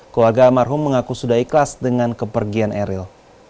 keluarga almarhum mengaku sudah ikhlas dengan kepergian eril